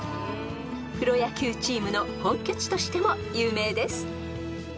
［プロ野球チームの本拠地としても有名です］